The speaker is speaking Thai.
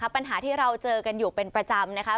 ปัญหาที่เราเจอกันอยู่เป็นประจำนะคะ